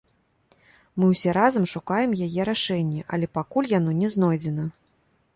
Мы ўсе разам шукаем яе рашэнне, але пакуль яно не знойдзена.